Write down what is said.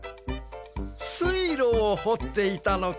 すいろをほっていたのか！